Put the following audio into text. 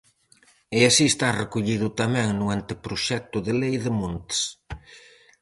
E así está recollido tamén no Anteproxecto de lei de montes.